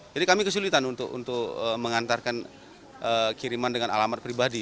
jadi kami kesulitan untuk mengantarkan kiriman dengan alamat pribadi